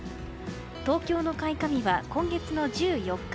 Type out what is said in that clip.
東京の開花日は今月の１４日。